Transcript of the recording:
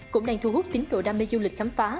cũng đang thu hút tính độ đam mê du lịch khám phá